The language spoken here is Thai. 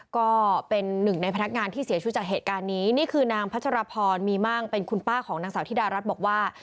ก็เป็นหนึ่งในพนักงานที่เสียชีวิตจากเหตุการณ์นี้นี่คือนางพัชรพรมีมั่งเป็นคุณป้าของนางสาวธิดารัฐบอกว่า